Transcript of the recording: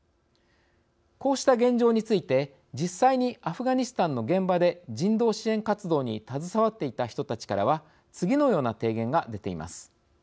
こうした現状について実際にアフガニスタンの現場で人道支援活動に携わっていた人たちからは次のような提言が出ています。